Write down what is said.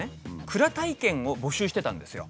体験を募集してたんですよ。